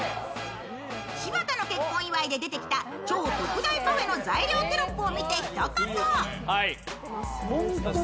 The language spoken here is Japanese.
柴田の結婚祝いで出てきた超特大パフェの材料テロップを見てひと言。